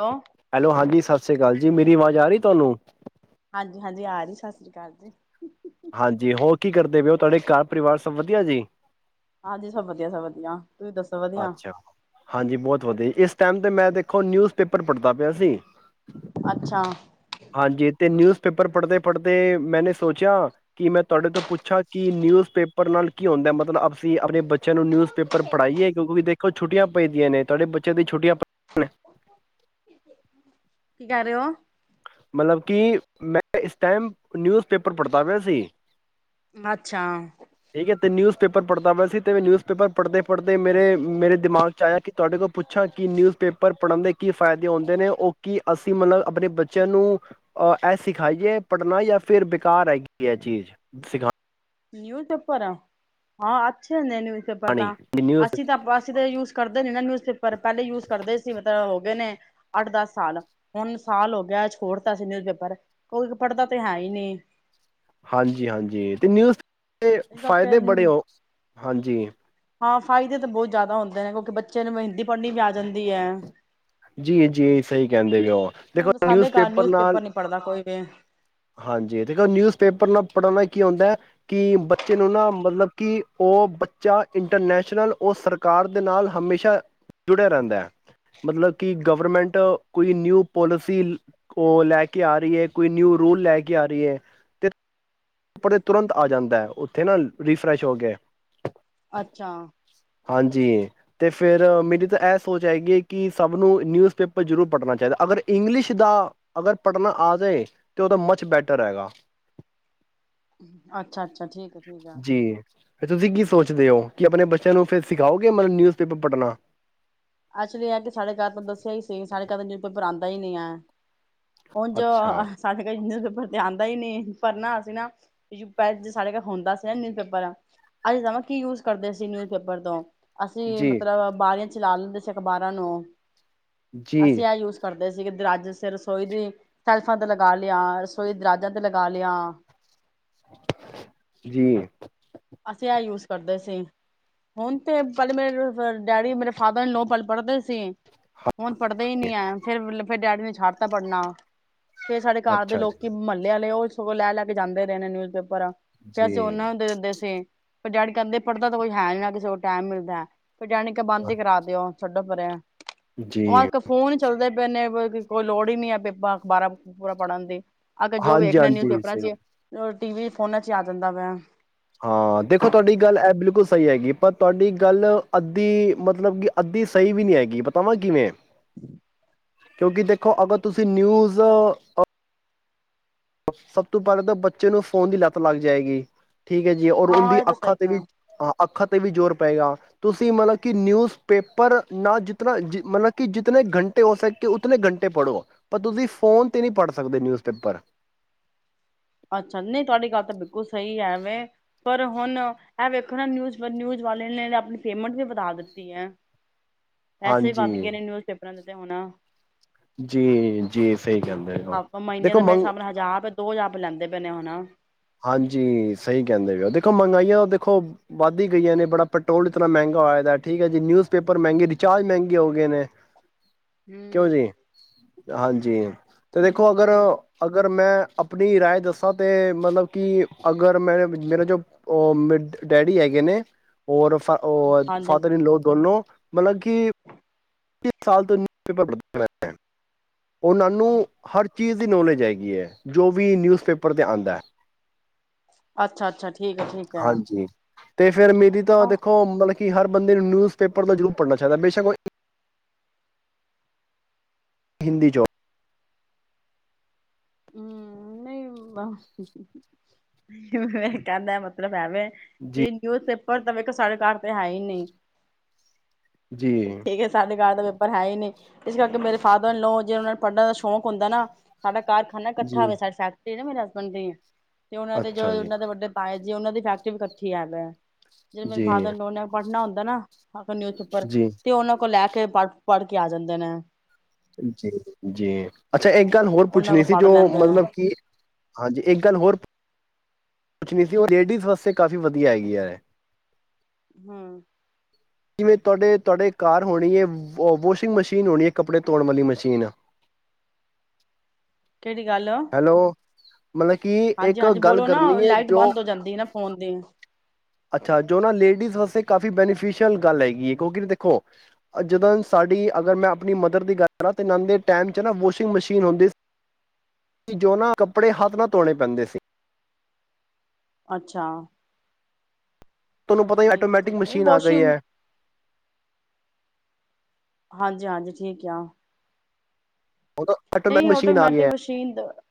Hello hello, ਹਾਂਜੀ ਸਤ ਸਤਿ ਸ਼੍ਰੀ ਅਕਾਲ ਜੀ ਮੇਰੀ ਆਵਾਜ਼ ਆ ਰਹੀ ਤੁਹਾਨੂੰ ਹਾਂਜੀ- ਹਾਂਜੀ ਆ ਜਹੀ ਸਸ ਰੀ ਕਾਲ ਜੀ। ਹਾਂਜੀ ਹੋਰ ਕੀ ਕਰਦੇ ਪਏ ਓ, ਤੁਹਾਡੇ ਘਰ ਪਰਿਵਾਰ ਸਭ ਵਧੀਆ ਜੀ। ਹਾਂਜੀ, ਸਭ ਵਧੀਆ ਸਭ ਵਧੀਆ। ਤੁਸੀਂ ਦੱਸੋ ਵਧੀਆ ਅੱਛਾ, ਹਾਂਜੀ ਬਹੁਤ ਵਧੀਆ ਇਸ ਟਾਈਮ ਤੇ ਮੈਂ ਦੇਖੋ ਨਿਊਜ਼ ਪੇਪਰ ਪੜ੍ਹਦਾ ਪਿਆ ਸੀ। ਅੱਛਾ, ਅਤੇ ਨਿਊਜ਼ ਪੇਪਰ ਪੜ੍ਹਦੇ-ਪੜ੍ਹਦੇ ਮੈਂਨੇ ਸੋਚਿਆ ਕਿ ਮੈਂ ਤੁਹਾਡੇ ਤੋਂ ਪੁੱਛਾਂ ਕਿ ਨਿਊਜ਼ ਪੇਪਰ ਨਾਲ ਕੀ ਹੁੰਦਾ ਮਤਲਬ ਅਸੀਂ ਆਪਣੇ ਬੱਚਿਆਂ ਨੂੰ ਨਿਊਜ਼ ਪੇਪਰ ਕੀ ਪੜ੍ਹਾਈਏ। ਵੀ ਦੇਖੋ ਛੁੱਟੀਆਂ ਪੈਂਦੀਆਂ ਨੇ ਤੁਹਾਡੇ ਬੱਚਿਆਂ ਦੀ ਛੁੱਟੀਆਂ ਪੈਂ ਕੀ ਕਹਿ ਰਹੇ ਹੋ? ਮਤਲਬ ਕਿ ਮੈਂ ਇਸ ਟਾਈਮ ਨਿਊਜ਼ ਪੇਪਰ ਪੜ੍ਹਦਾ ਪਿਆ ਸੀ। ਅੱਛਾ, ਪੇਪਰ ਪੜ੍ਹਦਾ ਪਿਆ ਸੀ ਤੇ ਮੈਂ ਨਿਊਜ਼ ਪੇਪਰ ਪੜ੍ਹਦੇ- ਪੜਦੇ ਮੇਰੇ ਮੇਰੇ ਦਿਮਾਗ ਚ ਆਇਆ ਕਿ ਤੁਹਾਡੇ ਕੋਲ ਪੁੱਛਾ ਕਿ ਨਿਊਜ਼ ਪੇਪਰ ਪੜ੍ਹਦੇਂ ਕੀ ਫਾਇਦੇ ਹੁੰਦੇ ਨੇ ਉਹ ਕੀ ਅਸੀਂ ਮਤਲਬ ਆਪਣੇ ਬੱਚੇ ਬੱਚਿਆਂ ਨੂੰ ਅਹ ਇਹ ਸਿਖਾਈਏ ਪੜ੍ਹਨਾ ਜਾਂ ਫਿਰ ਬੇਕਾਰ ਹੈਗੀ ਇਹ ਚੀਜ਼ ਸਿਖਾ ਨਿਊਜ਼ ਪੇਪਰ ਆ ਹਾਂ ਅੱਛੇ ਹੁੰਦੇ ਨੇ ਸਿਖਾਣੀ ਨਿਊਜ਼ ਅਸੀਂ ਤਾਂ ਬਾਸੀ ਦਾ ਯੂਜ ਕਰਦੇ ਨੀ ਨਿਊਜ਼ ਪੇ ਪਰ ਪਹਿਲੇ ਯੂਜ ਕਰਦੇ ਸੀ, ਮਤਲਬ ਹੋ ਗਏ ਨੇ ਅੱਠ ਦਸ ਸਾਲ ਹੁਣ ਸਾਲ ਹੋ ਗਿਆ ਛੋੜਤਾ ਸੀ ਨਿਊਜ਼ ਪੇਪਰ ਕੋਈ ਪੜ੍ਹਦਾ ਤੇ ਹੈ ਹੀ ਨਹੀਂ ਹਾਂਜੀ-ਹਾਂਜੀ ਤੇ ਨਿਊਜ਼ ਤੇ ਇਸ ਫਾਇਦੇ ਬੜੇ ਕਰਕੇ ਹੋ, ਹਾਂਜੀ। ਹਾਂ ਫਾਇਦੇ ਤਾਂ ਬਹੁਤ ਜ਼ਿਆਦਾ ਹੁੰਦੇ ਨੇ, ਕਿਉਂਕਿ ਬੱਚੇ ਨੂੰ ਹਿੰਦੀ ਪੜ੍ਹਨੀ ਵੀ ਆ ਜਾਂਦੀ ਹੈ। ਜੀ, ਜੀ ਸਹੀ ਕਹਿੰਦੇ ਦੇਖੋ ਨਹੀਂ ਸਾਡੇ ਨਿਊਜ਼ ਘਰ ਪੇਪਰ ਨਾਲ ਨੀ ਪੜ੍ਹਦਾ ਕੋਈ ਵੀ ਹਾਂਜੀ ਦੇਖੋ ਨਿਊਜ਼ ਪੇਪਰ ਨਾਲ ਪੜ੍ਹਣਾ ਕੀ ਹੁੰਂਦਾ ਕਿ ਬੱਚੇ ਨੂੰ ਨਾ ਮਤਲਬ ਕਿ ਉਹ ਬੱਚਾ ਇੰਟਰਨੈਸ਼ਨਲ ਉਹ ਸਰਕਾਰ ਦੇ ਨਾਲ ਹਮੇਸ਼ਾ ਜੁੜਿਆ ਰਹਿੰਦਾ ਹੈ, ਮਤਲਬ ਕਿ ਗਵਰਮੈਂਟ ਕੋਈ ਨਿਊ ਪੋਲਿਸੀ ਲੈ ਕੇ ਆ ਰਹੀ ਹੈ, ਕੋਈ ਨਿਊ ਰੂਲ ਲੈ ਕੇ ਆ ਰਹੀ ਹੈ ਤੇ ਉਪਰ ਤੁਰੰਤ ਆ ਜਾਂਦਾ ਹੈ, ਉੱਥੇ ਨਾ ਰਿਫਰੈਸ਼ ਹੋ ਕੇ ਅੱਛਾ, ਹਾਂਜੀ ਤੇ ਫਿਰ ਮੇਰੀ ਤਾਂ ਇਹ ਸੋਚ ਹੈਗੀ ਕਿ ਸਭ ਨੂੰ ਨਿਊਜ਼ ਪੇਪਰ ਜ਼ਰੂਰ ਪੜ੍ਹਨਾ ਚਾਹੀਦਾ, ਅਗਰ ਇੰਗਲਿਸ਼ ਦਾ ਅਗਰ ਪੜ੍ਹਨਾ ਆ ਜਾਵੇ ਤਾਂ ਉਹਦਾ ਮੱਚ ਬੈਟਰ ਹੈਗਾ। ਅੱਛਾ-ਅੱਛਾ ਠੀਕ ਆ, ਠੀਕ ਆ। ਜੀ, ਤੁਸੀਂ ਕੀ ਸੋਚਦੇ ਹੋ ਕਿ ਆਪਣੇ ਬੱਚਿਆਂ ਨੂੰ ਫਿਰ ਸਿਖਾਓਗੇ ਮਤਲਬ ਨਿਊਜ਼ ਪੇਪਰ ਪੜ੍ਹਨਾ। ਐਕਚੁਲੀ ਐ ਕਿ ਸਈ ਨੀ ਹੈ। ਉੰਜ ਅੱਛਾ, [unintelligible] ਤੇ ਆਉਦਾ ਹੀ ਨਹੀਂ ਪਰ ਨਾ ਅਸੀਂ ਨਾ ਪਹਿ ਸਾਡੇ ਘਲ ਹੁੰਦਾ ਸੀ ਨਾ ਨਿਊਜ਼ ਪੇਪਰ ਅਜੇ ਤਾਂ ਕੀ ਯੂਜ ਕਰਦੇ ਸੀ ਨਿਊਜ਼ ਪੇਪਰ ਤੋਂ ਅਸੀਂ ਜੀ, ਮਤਲਬ ਬਾਰੀਆਂ ਚ ਲਾ ਲੈਂਦੇ ਅਖ਼ਬਾਰਾਂ ਨੂੰ। ਜੀ, ਅਸੀਂ ਆਹ ਯੂਜ ਕਰ ਕਹਿੰਦੇ ਸੀਗੇ ਦਰਵਾਜੇ ਤੇ ਰਸੋਈ ਦੀ ਸੈਲਫਾਂ ਤੇ ਲਗਾ ਲਿਆ ਰਸੋਈ ਦਰਵਾਜਾਂ ਤੇ ਲਗਾ ਲਿਆ। ਜੀ ਅਸੀਂ ਐ ਯੂਜ ਕਰਦੇ ਸੀ ਹੁਣ ਤੇ ਪਲੇ ਮੇਰੇ ਡੈਡੀ ਮੇਰੇ ਫਾਦਰ ਇਨ ਲੋ ਪਹਿਲੇ ਪੜ੍ਹਦੇ ਸੀ। ਹੁਣ ਪੜ੍ਹਦੇ ਹੀ ਨੀ ਆ ਫਿਰ ਡੈਡੀ ਨੇ ਛੱਡ ਤਾ ਪੜਨਾ। ਫੇਰ ਸਾਡੇ ਘਰ ਦੇ ਅੱਛਾ ਜੀ, ਲੋਕੀ ਮਹੱਲੇ ਆਲੇ ਉਹ ਸਗੋਂ ਲੈ-ਲੈ ਕੇ ਜਾਂਦੇ ਰਹੇ ਨੇ ਨਿਊਜ਼ਪੇਪਰ। ਫੇਰ ਅਸੀਂ ਜੀ, ਉਹਨਾ ਨੂੰ [unintelligible] ਪਰ ਡੈਡੀ ਕਹਿੰਦੇ ਪੜ੍ਹਦਾ ਤਾਂ ਕੋਈ ਹੈ ਨੀ ਨਾ ਕਿਸੇ ਕੋਲ ਟਾਈਮ ਮਿਲਦਾ। ਫੇਰ ਡੈਡੀ ਨੇ ਕਿਹਾ ਬੰਦ ਹੀ ਕਰਾ ਦਿਓ। ਛੱਡੋ ਪਰੇ। ਜੀ। ਉਜ ਫੋਨ ਹੀ ਚੱਲਦੇ ਪਏ ਨੇ ਕੋਈ ਲੋੜ ਹੀ ਨੀ ਹੈ ਪੇਪਾਂ ਅਖ਼ਬਾਰਾਂ-ਅਖਬੂਰਾਂ ਪੜ੍ਹਨ ਦੀ। ਅਗਰ ਜੋ ਵੇਖਣਾ ਨਿਊਜ਼ ਹਾਂਜੀ-ਹਾਂਜੀ, ਪੇਪਰਾਂ ਸਹੀ ਚ ਟੀ ਵੀ ਫੋਨਾਂ ਚ ਆ ਜਾਂਦਾ ਵਾ। ਹਾਂ ਦੇਖੋ ਤੁਹਾਡੀ ਗੱਲ ਇਹ ਬਿਲਕੁਲ ਸਹੀ ਹੈਗੀ ਪਰ ਤੁਹਾਡੀ ਗੱਲ ਅੱਧੀ ਮਤਲਬ ਕਿ ਅੱਧੀ ਸਹੀ ਵੀ ਨਹੀਂ ਹੈਗੀ ਪਤਾਵਾਂ ਕਿਵੇਂ। ਕਿਉਂਕਿ ਦੇਖੋ ਅਗਰ ਤੁਸੀਂ ਨਿਊਜ਼ ਅ ਸਭ ਤੋਂ ਪਹਿਲਾਂ ਤਾਂ ਬੱਚੇ ਨੂੰ ਫ਼ੋਨ ਦੀ ਲੱਤ ਲੱਗ ਜਾਏਗੀ। ਠੀਕ ਹੈ ਜੀ ਔਰ ਹਾਂ ਉਹਦੀ ਇਹ ਤਾਂ ਸਹੀ ਅੱਖਾਂ ਤੇ ਹੈ ਵੀ ਹਾਂ ਅੱਖਾਂ ਤੇ ਵੀ ਜ਼ੋਰ ਪਏਗਾ ਤੁਸੀਂ ਮਤਲਬ ਕਿ ਨਿਊਜ਼ ਪੇਪਰ ਨਾ ਜਿਤਨਾ ਮਤਲਬ ਕਿ ਜਿਤਨੇ ਘੰਟੇ ਹੋ ਸਕੇ ਉਤਨੇ ਘੰਟੇ ਪੜ੍ਹੋ ਪਰ ਤੁਸੀਂ ਫੋਨ ਤੇ ਨਹੀਂ ਪੜ੍ਹ ਸਕਦੇ ਨਿਊਜ਼ ਪੇਪਰ। ਅੱਛਾ ਨਹੀਂ ਤੁਹਾਡੀ ਗੱਲ ਤਾਂ ਬਿਲਕੁਲ ਸਹੀ ਹੈ ਵੇ ਪਰ ਹੁਣ ਇਹ ਵੇਖੋ ਨਾ ਨਿਊ ਨਿਊਜ਼ ਵਾਲੇ ਨੇ ਆਪਣੀ ਪੇਮੈਂਟ ਵੀ ਵਧਾ ਦਿੱਤੀ ਹੈ। ਐਸੇ ਹੀ ਵੱਧ ਗਏ ਨੇ ਨਿਊਜ਼ ਪੇਪਰਾਂ ਦੇ [unintelligible] ਜੀ-ਜੀ ਸਹੀ ਕਹਿੰਦੇ ਹੈ ਉਹ ਹਾਂ ਮਹੀਨੇ ਦੇਖੋ ਦਾ ਮੇਰੇ ਮੰਗ ਹਿਸਾਬ ਨਾਲ ਹਜ਼ਾਰ ਰੁਪਏ ਦੋ ਹਜ਼ਾਰ ਲੈਂਦੇ ਪਏ ਨੇ ਹਨਾ। ਹਾਂਜੀ ਸਹੀ ਕਹਿੰਦੇ ਪਏ ਉ ਦੇਖੋ ਮਹਿੰਗਾਈਆਂ ਦੇਖੋ ਵੱਧ ਹੀ ਗਈਆਂ ਨੇ ਬੜਾ ਪੈਟਰੋਲ ਇਤਨਾ ਮਹਿੰਗਾ ਹੋਇਆ ਦਾ ਠੀਕ ਹੈ ਜੀ ਨਿਊਜ਼ਪੇਪਰ ਮਹਿੰਗੇ ਰਿਚਾਰਜ ਮਹਿੰਗੇ ਹੋ ਗਏ ਨੇ। ਕਿਉਂ ਹਮ ਜੀ ਹਾਂਜੀ ਤੇ ਦੇਖੋ ਅਗਰ-ਅਗਰ ਮੈਂ ਆਪਣੀ ਰਾਏ ਦੱਸਾਂ ਅਤੇ ਮਤਲਬ ਕਿ ਅਗਰ ਮੈਂ, ਮੇਰਾ ਜੋ ਮ ਡੈਡੀ ਹੈਗੇ ਨੇ ਔਰ ਹਾਂਜੀ ਫਾਦਰ ਇਨ ਲੋ ਦੋਨੋ ਮਤਲਬ ਕਿ ਸਾਲ ਤੋਂ ਨਿਯੂਜ਼ ਪੇਪਰ ਪੜਦੇ ਰਹਿਨੇ ਆਂ ਉਹਨਾਂ ਨੂੰ ਹਰ ਚੀਜ਼ ਦੀ ਨੌਲੇਜ ਹੈਗੀ ਹੈ, ਜੋ ਵੀ ਨਿਊਜ਼ ਪੇਪਰ ਤੇ ਆਉਂਦਾ ਹੈ ਅੱਛਾ ਅੱਛਾ ਅੱਛਾ ਠੀਕ ਠੀਕ ਐ, ਠੀਕ ਐ ਹਾਂਜੀ ਤੇ ਫੇਰ ਮੇਰੀ ਤਾਂ ਦੇਖੋ ਮਤਲਬ ਕਿ ਹਰ ਬੰਦੇ ਨੂੰ ਨਿਊਜ਼ਪੇਪਰ ਤੋਂ ਜ਼ਰੂਰ ਪੜ੍ਹਨਾ ਚਾਹੀਦਾ, ਬੇਸ਼ੱਕ ਉਹ ਹਿੰਦੀ ਜੋ ਹੂ, ਮੈਂ ਮੈਂ ਕਹਿੰਦਾ ਮਤਲਬ ਐਵੇਂ ਜੀ ਕੀ ਨਿਊਜ਼ ਐ ਪਰ ਤਾਂ ਵੇਖੋ, ਸਾਡੇ ਘਰ ਤਾਂ ਹੈ ਹੀ ਨਹੀਂ ਜੀ ਠੀਕ ਹੈ ਸਾਡੇਕ ਅੱਠ ਹੈ ਹੀ ਨੇ, ਇਸ ਕਰਕੇ ਮੇਰੇ ਫਾਦਰ ਨੂੰ ਜੇ ਉਹਨਾਂ ਨੂੰ ਪੜ੍ਹਨ ਦਾ ਸ਼ੌਕ ਹੁੰਦਾ ਨਾ ਸਾਡਾ ਕਾਰਖਾਨਾ ਇਕੱਠਾ ਜੀ ਵੇ, ਚਾਹੇ ਫੈਕ ਤੇ ਨਾ ਮੇਰੇ ਹਸਬੈਂਡ ਦੇ ਤੇ ਉਹਨਾਂ ਦੇ ਜੋ ਅੱਛਾ ਜੀ ਉਹਨਾਂ ਦੇ ਵੱਡੇ ਪਾਏ ਜੇ ਉਹਨਾਂ ਦੀ ਫੈਕਟਰੀ ਵੀ ਇਕੱਠੀ ਹੈ ਗੀ ਜਿਹੜੇ ਮੇਰੇ ਜੀ ਫਾਦਰ ਇਨ ਲਾ ਨੇ ਪੜਨਾ ਹੁੰਦਾ ਤੇ ਨਾ ਨਿਊਜ਼ ਪੇਪਰ, ਜੀ ਤੇ ਉਹਨਾਂ ਕੋਲ ਲੈ ਕੇ ਪੇ ਪੜ੍ਹ ਪੜ੍ਹ ਕੇ ਆ ਜਾਂਦੇ ਨੇ ਜੀ ਜੀ ਅੱਛਾ ਇੱਕ ਗੱਲ ਹੋਰ ਉਹਨਾਂ ਪੁੱਛਣੀ ਕੋਲ ਸੀ ਪੜ੍ਹ ਜੋ ਲੈਂਦੇ ਨੇ ਮਤਲਬ ਕਿ ਹਾਂਜੀ ਇੱਕ ਗੱਲ ਹੋਰ ਕੁਛ ਨੀ ਤੀ, ਔ ਲੇਡੀਜ਼ ਵਾਸਤੇ ਕਾਫ਼ੀ ਵਧੀਆ ਹੈਗੀ ਹੈ ਹੂ ਜਿਵੇਂ ਤੁਹਾਡੇ ਤੁਹਾਡੇ ਘਰ ਹੋਣੀ ਹੈ, ਵੋਸ਼ਿੰਗ ਮਸ਼ੀਨ ਹੋਣੀ ਹੈ ਕੱਪੜੇ ਧੋਣ ਵਾਲੀ ਮਸ਼ੀਨ ਕਿਹੜੀ ਗੱਲ ਹੈਲੋ ਮਤਲਬ ਕਿ ਹਾਂਜੀ ਇੱਕ ਹਾਂਜੀ ਗੱਲ ਬੋਲੋ ਨਾ ਕਰਨੀ ਹੈ ਲਾਈਟ ਜੋ ਬੰਦ ਹੋ ਜਾਂਦੀ ਨਾ ਫੋਨ ਦੀ ਅੱਛਾ ਜੋ ਨਾ ਲੇਡੀਜ਼ ਵਾਸਤੇ ਕਾਫੀ ਬੈਨੀਫਿਸ਼ਅਲ ਗੱਲ ਹੈਗੀ ਹੈ ਕਿਉਂਕਿ ਦੇਖੋ ਜਦੋਂ ਸਾਡੀ ਅਗਰ ਮੈਂ ਆਪਣੀ ਮਦਰ ਦੀ ਗੱਲ ਕਰਾਂ ਤੇ ਨਦੇ ਟਾਈਮ 'ਚ ਨਾ ਵਾਸ਼ਿੰਗ ਮਸ਼ੀਨ ਹੁੰਦੀ ਕਿ ਜੋ ਨਾਂ ਕੱਪੜੇ ਹੱਥ ਨਾ ਧੋਣੇ ਪੈਂਦੇ ਸੀ ਅੱਛਾ ਤੁਹਾਨੂੰ ਪਤਾ ਹੀ ਠੀਕ ਹੈ ਆਟੋਮੈਟਿਕ ਠੀਕ ਹੈ ਨਹੀਂ ਮਸ਼ੀਨ ਆ ਗਈ ਵਾਸ਼ਿੰਗ ਹੈ ਹਾਂਜੀ, ਹਾਂਜੀ ਠੀਕ ਯਾਂ। ਹੁਣ ਤਾਂ, ਆਟੋਮੈਟਿਕ ਮਸ਼ੀਨ ਆ ਗਈ ਏ, ਮਸ਼ੀਨ ਹਾਂਜੀ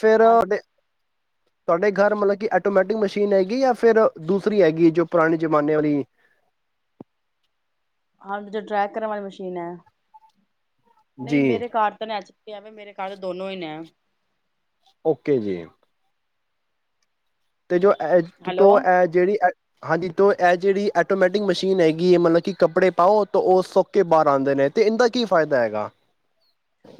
ਫਿਰ ਡ [inaudible] ਤੁਹਾਡੇ ਘਰ ਮਤਲਬ ਕਿ, ਆਟੋਮੈਟਿਕ ਮਸ਼ੀਨ ਹੈਗੀ ਆ? ਫਿਰ ਦੂਸਰੀ ਹੈਗੀ ਆ, ਜੋ ਪੁਰਾਣੇ ਜ਼ਮਾਨੇ ਵਾਲੀ ਹਾਂ, ਜੋ ਟਰੈਕ ਕਰਨ ਵਾਲੀ ਮਸ਼ੀਨ ਹੈ। [unintelligible] ਨਹੀਂ, ਜੀ ਮੇਰੇ ਕਾਰ ਤਾਂ, ਨੇ ਅੱਜ [inaudible] ਮੇਰੇ ਘਰ ਦੋਨੋ ਹੀ ਨੇ। ਓਕੇ ਜੀ। ਅਤੇ ਜੋ, ਹੈਲੋ ਤੋਂ ਜਿਹੜੀ ਹਾਂਜੀ [inaudible] ਤੋ, ਇਹ ਜਿਹੜੀ ਐਟੋਮੈਟਿਕ ਮਸ਼ੀਨ ਹੈਗੀ ਹੈ, ਮਤਲਬ ਕਿ ਕੱਪੜੇ ਪਾਓ, ਤਾਂ ਉਹ ਸੁਕ ਕੇ ਬਾਹਰ ਆਉਂਦੇ ਨੇ ਅਤੇ ਇਂਹਨਦਾ ਕੀ ਫਾਇਦਾ ਹੈਗਾ।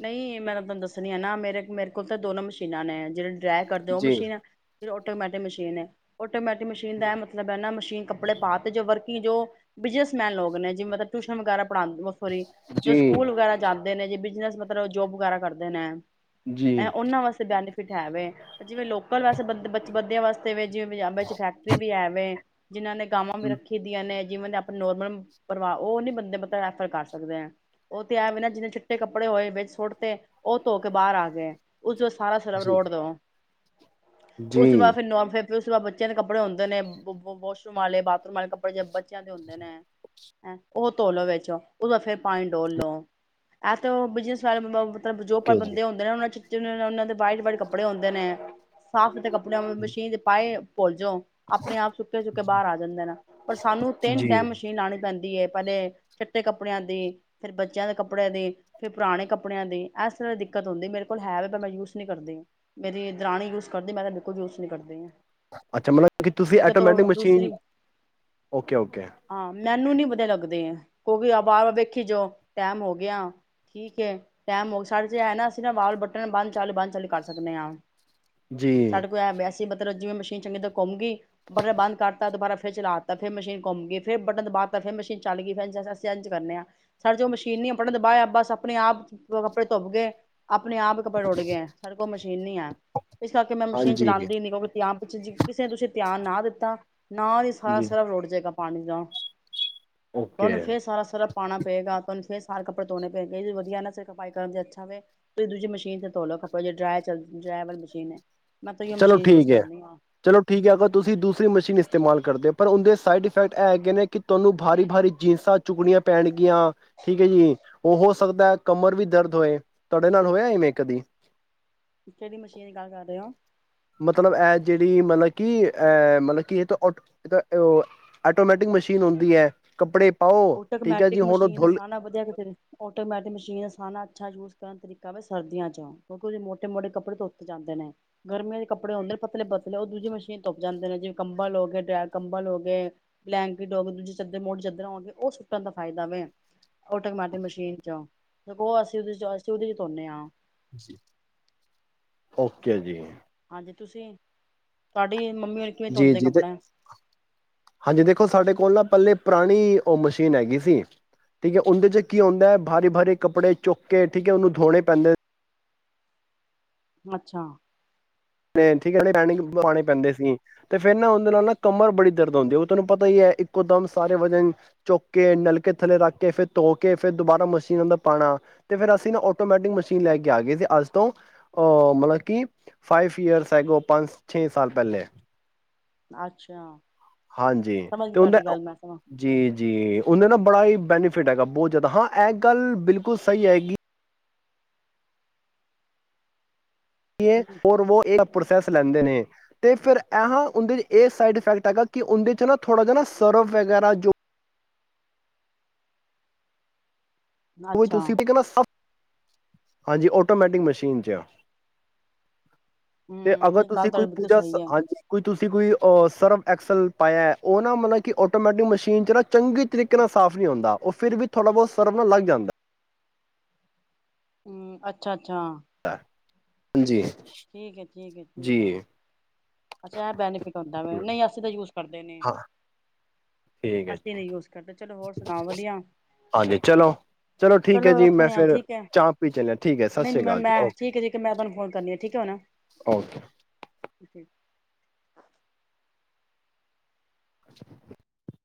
ਨਹੀਂ ਮੈਂ, ਤੁਹਾਨੂੰ ਦੱਸਣੀ ਆ ਨਾ ਮੇਰੇ, ਮੇਰੇ ਕੋਲ ਤਾਂ ਦੋਨੋ ਮਸ਼ੀਨਾਂ ਨੇ ਜਿਹੜੇ ਡਰੈ ਕਰਦੇ ਉਹ ਜੀ ਮਸ਼ੀਨ ਆਟੋਮੈਟਿਕ ਮਸ਼ੀਨ ਹੈ। ਓ ਆਟੋਮੈਟਿਕ ਮਸ਼ੀਨ ਦਾ ਐ, ਮਤਲਬ ਹੈ ਨਾ ਮਸ਼ੀ ਕੱਪੜੇ ਪਾ, ਤੇ ਜੋ ਵਰਕਿੰਗ ਜੋ, ਬਿਜਨਸਮੈਨ ਲੋਕ ਨੇ, ਜਿਵੇਂ ਟਿਊਸ਼ਨ ਵਗੈਰਾ ਪੜਾਂਦੇ ਜੋ, ਜੀ ਸਕੂਲ ਵਗੈਰਾ ਜਾਂਦੇ ਨੇ ਜੇ [inaudible] ਮਤਲਬ ਜੋਬ ਵਗੈਰਾ ਕਰਦੇ ਨੇ। ਐ ਜੀ ਉਹਨਾਂ ਵਾਸਤੇ ਬੈਨ ਹੈ, ਵੇ, ਜਿਵੇਂ ਲੋਕਲ ਵੈਸੇ ਬਚ ਬੰਦਿਆਂ ਵਾਸਤੇ, ਜਿਵੇਂ ਪੰਜਾਬ ਫੈਕਟਰੀ ਵੀ ਹੈਵੇ। ਜਿਨ੍ਹਾਂ ਨੇ ਗਾਵਾਂ ਵੀ ਰੱਖੀ ਦੀਆਂ ਨੇ। ਜਿਵੇ ਦੇ ਆਪਣੇ ਨੋਰਮਲ ਪਰਿਵਾਰ ਉਹ ਨੀ ਬੰਦੇ ਰੈਫਰ ਕਰ ਸਕਦੇ ਹੈ, ਉਹ ਤੇ ਇਹ ਵੀ ਨੇ ਜੀਨੇ ਚਿੱਟੇ ਕੱਪੜੇ ਹੋਏ ਸੁੱਟ ਤੇ, ਉਹ ਧੋ, ਕੇ ਬਾਹਰ ਆ ਗਏ। ਉਸ, ਚ, ਸਾਰਾ ਸਰਾ ਜੀ ਰੋਡ ਦੋ। ਉਸ ਤੋਂ, ਜੀ ਬਾਅਦ ਫਿਰ ਨੋਰ ਫਿਰ ਫੇਰ ਉਸ ਤੋਂ ਬਾਅਦ ਬੱਚਿਆਂ ਦੇ ਕੱਪੜੇ ਹੁੰਦੇ ਨੇ, ਵਾਸ਼ਰੂਮ ਵਾਲੇ ਬਾਥਰੂਮ ਵਾਲੇ ਕੱਪੜੇ ਜ ਬੱਚਿਆਂ ਦੇ ਹੁੰਦੇ ਨੇਂ, ਐ ਉਹ ਧੋ ਲੋ ਵਿੱਚ ਉਸ ਬਾਦ ਫੇਰ ਪਾਣੀ ਡੋਲ ਲੋ ਐ ਤੇ ਬਿਜਸ ਸੇ ਬਮਾ [inaudible] ਜੋ, ਪਰ ਓਕੇ ਜੀ ਬੰਦੇ ਹੁੰਦੇ ਨੇ, ਉਹਨਾਂ 'ਚ ਜਿਨੇ ਉਹਨਾਂ ਦੇ ਵਾਈਟ-ਵਾਈਟ ਕੱਪੜੇ ਹੁੰਦੇ ਨੇ, ਸਾਫ਼ [inaudible] ਕੜ ਨਂ [inaudible] ਮਸ਼ੀਨ ਚ ਪਾਏ। ਭੁੱਲ ਜਾਓ, ਆਪਣੇ ਆਪ ਸੁੱਕੇ, ਸੁੱਕੇ ਬਾਹਰ ਆ ਜਾਂਦੇ ਨੇ, ਪਰ ਸਾਨੂੰ ਤਿੰਨ ਜੀ ਟੈਮ ਮਸ਼ੀਨ ਲਾਉਣੀ ਪੈਂਦੀ ਹੈ। ਪਹਿਲੇ ਚਿੱਟੇ ਕੱਪੜਿਆਂ ਦੇ, ਫੇਰ ਬੱਚਿਆਂ ਦੇ ਕੱਪੜਿਆਂ ਦੇ, ਫੇਰ ਪੁਰਾਣੇ ਕੱਪੜਿਆਂ ਦੀ ਐਸ ਤਰ੍ਹਾਂ ਦੀ ਦਿੱਕਤ ਹੁੰਦੀ ਮੇਰੇ ਕੋਲ ਹੈ ਵੇ, ਪਰ ਮੈਂ ਯੂਜ ਨੀ ਕਰਦੀ ਹ, ਮੇਰੀ ਦਰਾਣੀ ਯੂਜ ਕਰਦੀ, ਮੈਂ ਤਾਂ ਬਿਲਕੁਲ ਯੂਜ ਨਹੀਂ ਕਰਦੀ। ਅੱਛਾ! ਮਤਲਬ ਕਿ ਤੁਸੀਂ ਮੇਰੇ ਕੋਲ ਤੋਂ ਆਟੋਮੈਟਿਕ ਮਸ਼ੀਨ ਦੂਸਰੀ ਓਕੇ- ਓਕੇ ਹਾਂ ਮੈਨੂੰ ਨੀ ਵਧੀਆ ਲੱਗਦੇ, ਕਿਉਂਕਿ ਵਾਰ- ਵਾਰ ਵੇਖੀ ਜੋ, ਟੈਮ ਹੋ ਗਿਆ, ਠੀਕ ਹੈ। ਟੈਮ [inaudible] ਚ ਹੈ ਨਾ ਅਸੀਂ ਨਾ ਵਾਲ ਬਟਣ, ਬੰਦ ਚਾਲ, ਬੰਦ, ਚਾਲੀ ਕਰ ਸਕਦੇ ਹਾਂ। ਜੀ ਸਾਡੇ ਕੋਲ ਐਬ ਸੀ। ਜਿਂਵੇ ਮਸ਼ੀਨ ਚੰਗੀ ਤਰ੍ਹਾਂ ਘੁੰਮ ਗਈ, ਬਟਨ ਬੰਦ ਕਰਤਾ ਦੁਬਾਰਾ ਫਿਰ ਚਲਾ ਤਾ ਫਿਰ ਮਸ਼ੀਨ ਘੁਮ ਗਈ, ਫਿਰ ਬਟਨ ਦਬਾ ਤਾ, ਫਿਰ ਮਸ਼ੀਨ ਚੱਲ ਗਈ ਫਿਰ ਇਂਜ ਕਰਨੇ ਆ ਸਾਡੇ ਚ ਔ ਮਸ਼ੀਨ ਨਹੀਂ ਆ ਬਟਨ ਦਬਾਯਾ ਬਸ ਆਪਣੇ ਆਪ ਉਹ ਕੱਪੜੇ ਧੁੱਪ ਗਏ ਆਪਣੇ ਆਪ ਕੱਪੜੇ ਧੋਪ ਗਏ ਹੇ, ਸਾਡੇ ਕੋਲ ਔ ਮਸ਼ੀਨ ਨੀ ਹੈ। ਇਸ ਕਰਕੇ ਮੈਂ ਮਸ਼ੀਨ ਹਾਂਜੀ ਚਲਾਉਂਦੀ ਹੀ ਨੀ ਕਿਉਂਕਿ ਆਪ ਅੱਛਾ ਜੀ। ਜੀਸੇ ਲੇ ਤੁਸੀਂ ਧਿਆਨ ਨਾ ਦਿੱਤਾ ਨਾਲ ਹੀ ਸਾਰਾ ਜੀ ਸਰਫ ਰੂੜ ਜਾਏਗਾ। ਪਾਣੀ ਦਾ ਓਕੇ ਤੁਹਾਨੂੰ ਫੇਰ ਸਾਰਾ ਸਰਫ ਪਾਉਣਾ ਪਏਗਾ, ਤੁਹਾਨੂੰ ਫੇਰ ਬਹਾਰ ਕੱੱਪੜੇ ਧੋਣੇ ਪਏਗੇਂ, ਏਹ ਭੀ ਵਧੀਆ ਹੇ ਨ ਫਿਰ, ਸਫ਼ਾਈ ਕਰਨ ਚ ਅੱਛਾ ਵੇ, ਤੁਸੀ ਦੂਜੀੇ ਮਸ਼ੀਨ ਚ ਧੋਲੋ ਕੱਪੜੇ ਜੇ ਡਰਾਯਰ ਚ ਡਰਾਯਰ ਵਾਲੀ ਮਸ਼ੀਨ ਹੈ। ਮੈਂ ਤਾਂ ਏਹੀਓ ਚਲੋ ਮਸ਼ੀਨ ਯੂਜ ਠੀਕ ਹੈ, ਕਰਨੀ ਆ ਚਲੋ ਠੀਕ ਹੈ, ਅਗਰ ਤੁਸੀਂ ਦੂਸਰੀ ਮਸ਼ੀਨ ਇਸਤੇਮਾਲ ਕਰਦੇ ਹੋ ਪਰ ਉਹਦੇ ਸਾਈਡ ਇਫੈਕਟ ਇਹ ਹੈਗੇ ਨੇ, ਕਿ ਤੁਹਾਨੂੰ ਭਾਰੀ -ਭਾਰੀ ਜੀਨਸਾਂ ਚੁਗਣੀਆਂ ਪੈਣਗੀਆਂ ਠੀਕ ਹੈ ਜੀ, ਉਹ ਹੋ ਸਕਦਾ ਹੈ ਕਮਰ ਵੀ ਦਰਦ ਹੋਏ, ਤੁਹਾਡੇ ਨਾਲ ਹੋਇਆ ਇਵੇਂ ਕਦੀ। ਕਿਹੜੀ ਮਸ਼ੀਨ ਦੀ ਗਲ ਕਰ ਰਹੇ ਹੋ। ਮਤਲਬ ਹੈ ਜਿਹੜੀ ਮਤਲਬ ਕਿ ਏ ਮਤਲਬ ਕਿ ਇਹ ਆਟੋਮੈਟਿਕ ਮਸ਼ੀਨ ਹੁੰਦੀ ਹੈ ਕੱਪੜੇ ਪਾਓ ਠੀਕ ਹੈ ਜੀ ਆਟੋਮੈਟਿਕ ਹੁਣ ਉਹ ਮਸ਼ੀਨ ਦਾ ਧੁਲ ਸਾਰ ਨਾਲ ਵਧੀਆ ਤੇ ਫਿਰ, ਆਟੋਮੈਟਿਕ ਮਸ਼ੀਨ ਦਾ ਸਾਰ ਨਾਲ ਅੱਛਾ ਯੂਜ ਕਰਨ ਤਰੀਕਾ ਕਮ ਵੇ ਸਰਦੀਆਂ ਚ, ਕਿਉਂਕਿ ਉਹਦੇ ਮੋਟੇ- ਮੋਟੇ ਕੱਪੜੇ ਧੋਪੇ ਜਾਂਦੇ ਨੇ। ਗਰਮੀਆਂ ਦੇ ਕੱਪੜੇ ਹੁੰਦੇ ਨੇ ਪਤਲੇ- ਪਤਲੇ ਉਹ ਦੂਜੇ ਮਸ਼ੀਨ ਧੁੱਪ ਜਾਂਦੇ ਨੇ, ਜਿਵੇਂ ਕੰਬਲ ਹੋ ਗਏ, ਕੰਬਲ ਹੋ ਗਏ ਬਲੈਂਕਟ ਹੋ ਗਏ, ਦੂਜੇ ਚੱਦਰ ਮੋਟੇ ਚਾਦਰਰਾਂ ਹੋ ਗਈਆਂ। ਉਹ ਸੁੱਟਣ ਦਾ ਫਾਇਦਾ ਵੇ, ਆਟੋਮੈਟਿਕ ਮਸ਼ੀਨ ਚ, ਉਹ ਅਸੀਂ ਉਹਦੇ ਚ ਅਸੀਂ ਉਹਦੇ ਚ ਧੋਨਦੇ ਹਾਂ। ਓਕੇ ਜੀ। ਹਾਂਜੀ, ਤੁਸੀਂ, ਤੁਹਾਡੀ ਮੰਮੀ ਹੋਣੀ ਕਿਵੇਂ ਧੋਂਦੇ ਜੀ-ਜੀ, ਤੇ ਕੱਪੜੇ ਹਾਂਜੀ ਦੇਖੋ ਸਾਡੇ ਕੋਲ ਨਾ ਪਹਲੇ ਪੁਰਾਣੀ ਉਹ ਮਸ਼ੀਨ ਹੈਗੀ ਸੀ। ਠੀਕ ਹੈ ਉਹਦੇ ਚ ਕੀ ਹੁੰਦਾ ਹੈ ਭਾਰੀ-ਬਾਰੀ ਕੱਪੜੇ ਚੁੱਕ ਕੇ ਠੀਕ ਹੈ ਉਹਨੂੰ ਧੋਣੇ ਪੈਂਦੇ ਅੱਛਾ। ਤੇ ਠੀਕ ਹੈ ਨਾ, ਪਾਉਣੇ ਪੈਂਦੇ ਸੀ ਤੇ ਫਿਰ ਨਾ ਉਹਦੇ ਨਾਲ ਨਾ ਕਮਰ ਬੜੀ ਦਰਦ ਹਉਂਦੀ, ਉਹ ਤੁਹਾਨੂੰ ਪਤਾ ਹੀ ਹੈ ਇੱਕੋ ਦਮ ਸਾਰੇ ਵਜਨ ਚੁੱਕ ਕੇ ਨਲਕੇ ਥੱਲੇ ਰੱਖ ਕੇ, ਫਿਰ ਧੋ ਕੇ ਫਿਰ ਦੁਬਾਰਾ ਮਸ਼ੀਨਾਂ ਅੰਦਰ ਪਾਉਣਾ ਤੇ ਫਿਰ ਅਸੀਂ ਨਾ ਆਟੋਮੈਟਿਕ ਮਸ਼ੀਨ ਲੈ ਕੇ ਆ ਗਏ ਸੀ। ਅੱਜ ਤੋਂ ਅਹ ਮਤਲਬ ਕਿ ਫਾਈਵ ਈਅਰਸ ਐਗੋ, ਪੰਜ ਛੇ ਸਾਲ ਪਹਿਲੇ। ਅੱਛਾ। ਹਾਂਜੀ ਸਮਝ ਗਈ ਤੇ ਉਹਦਾ, ਤੁਹਾਡੀ ਗੱਲ ਮੈਂ ਸਮ ਜੀ-ਜੀ, ਉਹਦੇ ਨਾ ਬੜਾ ਹੀ ਬੈਨੀਫਿਟ ਹੈਗਾ ਬਹੁਤ ਜ਼ਿਆਦਾ ਹਾਂ ਇਹ ਗੱਲ ਬਿਲਕੁਲ ਸਹੀ ਹੈਗੀ ਐ ਉਹ ਇੱਕ ਪ੍ਰੋਸੈਸ ਲੈਂਦੇ ਨੇ ਤੇ ਫਿਰ ਇਹਾਂ ਉਹਦੇ 'ਚ ਇਹ ਸਾਈਡ ਇਫੈਕਟ ਹੈਗਾ ਕਿ ਉਹਦੇ 'ਚ ਨਾ ਥੋੜ੍ਹਾ ਜਿਹਾ ਨਾ ਸਰਵ ਵਗੈਰਾ ਜੋ ਉਹ ਅੱਛਾ ਤੁਸੀਂ ਤੇ ਦੇਖਨਾ ਸਭ ਹਾਂਜੀ, ਆਟੋਮੈਟਿਕ ਮਸ਼ੀਨ 'ਚ ਆ। ਤੇ ਹਮ ਅਗਰ ਨਹੀਂ ਗੱਲ ਤੁਸੀਂ ਕੋਈ ਤੁਹਾਡੀ ਬਿਲਕੁਲ ਪੂਜਾ, ਸਹੀ ਹੈ ਹਾਂਜੀ, ਕੋਈ ਤੁਸੀਂ ਕੋਈ ਅਹ ਸਰਫ ਐਕਸਲ ਪਾਇਆ ਉਹ ਨਾ ਮਤਲਬ ਕਿ ਆਟੋਮੈਟਿਕ ਮਸ਼ੀਨ 'ਚ ਨਾ ਚੰਗੇ ਤਰੀਕੇ ਨਾਲ ਸਾਫ਼ ਨਹੀਂ ਹੁੰਦਾ, ਉਹ ਫਿਰ ਵੀ ਥੋੜ੍ਹਾ ਬਹੁਤ ਸਰਵ ਨ ਲੱਗ ਜਾਂਦਾ ਹੇ। ਹੂੰ, ਅੱਛਾ ਅ ਅਛਾਂ। ਹੈ। ਹਾਂਜੀ। ਠੀਕ ਏ ਠੀਕ ਏ ਠੀਕ ਹੈ ਜੀ ਅੱਛਾ ਐਹ ਬੈਨੀਫਿਟ ਹੁੰਦਾ ਵੈ ਹਮ, ਨਹੀਂ ਅਸੀਂ ਤਾਂ ਯੂਜ ਕਰਦੇ ਨੀ। ਹਾਂ ਠੀਕ ਹੈ ਜੀ ਅਸੀਂ ਨਹੀਂ ਯੂਸ ਕਰਦੇ ਚਲੋ ਹੋਰ ਸੁਣਾਓ ਵਧੀਆ ਹਾਂਜੀ ਚਲੋ ਠੀਕ ਚਲੋ ਹੈ ਜੀ ਮੈਂ ਰੱਖਨੇ ਆ ਫਿਰ ਠੀਕ ਹੈ ਚਾਹ ਪੀ ਚੱਲਿਆ ਠੀਕ ਹੈ ਸਤਿ ਨਹੀਂ ਸ਼੍ਰੀ ਮੈਂ ਅਕਾਲ ਜੀ ਮੈਂ ਓਕੇ ਠੀਕ ਏ ਠੀਕ ਏ ਮੈਂ ਤੁਹਾਨੂੰ ਫੋਨ ਕਰਨੀ ਆ। ਠੀਕੋ ਨਾ। ਓਕੇ ਠੀਕੇ [inaudible] [inaudible]